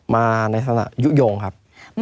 มาในลักษณะยุโยงครับ